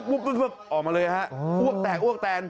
อ้วกปุ๊บออกมาเลยครับอ้วกแตกอ้วกแตน